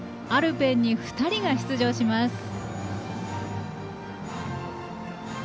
アルペンに２人が出場します。